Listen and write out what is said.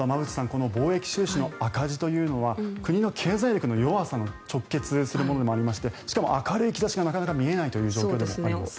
この貿易収支の赤字というのは国の経済力の弱さに直結するものでもありましてしかも明るい兆しがなかなか見えない状況でもあります。